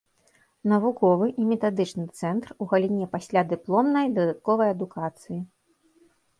Навуковы і метадычны цэнтр у галіне паслядыпломнай і дадатковай адукацыі.